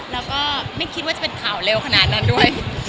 แล้วก็ไม่คิดว่าจะเป็นข่าวเร็วขนาดนั้นด้วย